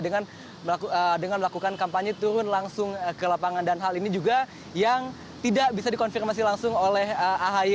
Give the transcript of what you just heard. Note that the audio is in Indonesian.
dengan melakukan kampanye turun langsung ke lapangan dan hal ini juga yang tidak bisa dikonfirmasi langsung oleh ahi